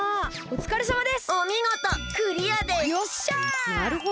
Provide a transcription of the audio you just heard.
おつかれさまです！